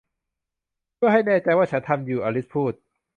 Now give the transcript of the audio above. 'เพื่อให้แน่ใจว่าฉันทำอยู่' อลิสพูด